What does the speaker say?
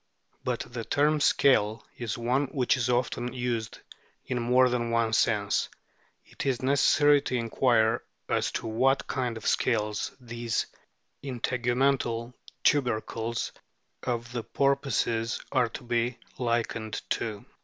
But the term " scale " is one which is often used in more than one sense ; it is necessary to inquire as to what kind of scales these integumental tubercles of the porpoises are to be likened to.